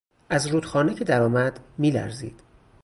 از رودخانه که درآمد میلرزید.